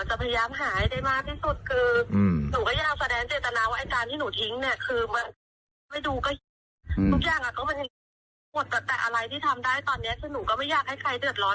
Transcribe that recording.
ไม่ดูก็ทุกอย่างอ่ะก็ไม่เห็นหมดแต่อะไรที่ทำได้ตอนนี้คือหนูก็ไม่อยากให้ใครเดือดร้อน